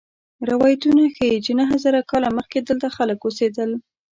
روایتونه ښيي چې نهه زره کاله مخکې دلته خلک اوسېدل.